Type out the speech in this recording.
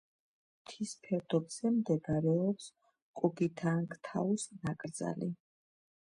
მთის ფერდობებზე მდებარეობს კუგითანგთაუს ნაკრძალი.